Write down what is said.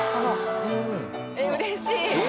えうれしい！